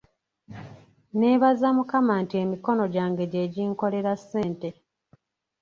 Nneebaza Mukama nti emikono gyange gye ginkolera ssente.